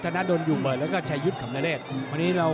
ถนัดโดนอยู่เปิดแล้วก็ใช้ยุทธ์ขำนเรศ